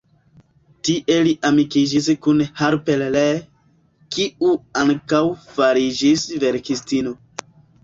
Tie li amikiĝis kun Harper Lee, kiu ankaŭ fariĝis verkistino.